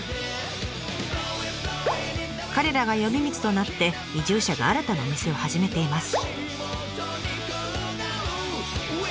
彼らが呼び水となって移住者が新たな店を始めています。